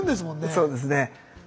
そうですね。